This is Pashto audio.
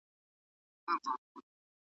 زه د پېړیو ګیله منو پرهارونو آواز .